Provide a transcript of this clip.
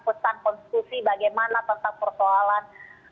pesan konstitusi bagaimana tentang persoalan